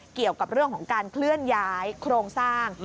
เกี่ยวกับเรื่องของการเคลื่อนย้ายโครงสร้าง